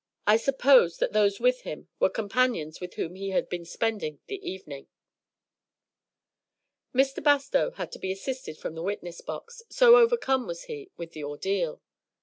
I supposed that those with him were companions with whom he had been spending the evening." Mr. Bastow had to be assisted from the witness box, so overcome was he with the ordeal.